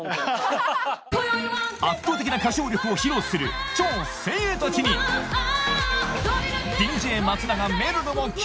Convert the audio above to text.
圧倒的な歌唱力を披露する超精鋭たちにＤＪ松永めるるも驚愕